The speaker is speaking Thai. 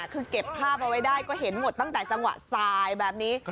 คือเก็บภาพเอาไว้ได้ก็เห็นหมดตั้งแต่จังหวะสายแบบนี้